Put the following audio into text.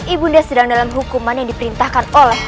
ibunda sedang dalam hukuman yang diperintahkan oleh